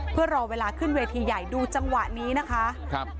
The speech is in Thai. เพื่อรอเวลาขึ้นเวทีใหญ่ดูจังหวะนี้นะคะครับ